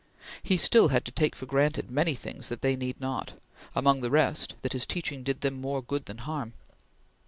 He still had to take for granted many things that they need not among the rest, that his teaching did them more good than harm.